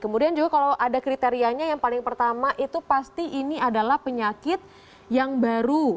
kemudian juga kalau ada kriterianya yang paling pertama itu pasti ini adalah penyakit yang baru